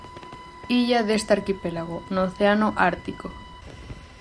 Illa deste arquipélago, no Océano Ártico.